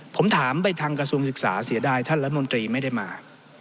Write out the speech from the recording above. ผมถามไปทางกระทรวงศึกษาเสียดายท่านรัฐมนตรีไม่ได้มา